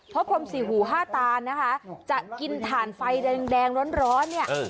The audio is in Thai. พรมสี่หูห้าตานะคะจะกินถ่านไฟแดงร้อนเนี่ย